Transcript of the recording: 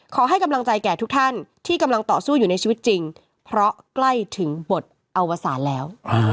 ขอให้กำลังใจแก่ทุกท่านที่กำลังต่อสู้อยู่ในชีวิตจริงเพราะใกล้ถึงบทอวสารแล้ว